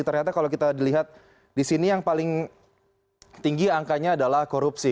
ternyata kalau kita dilihat di sini yang paling tinggi angkanya adalah korupsi